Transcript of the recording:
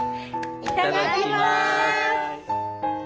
いただきます！